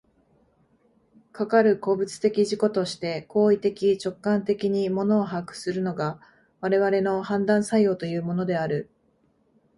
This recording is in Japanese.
かかる個物的自己として行為的直観的に物を把握するのが、我々の判断作用というものである。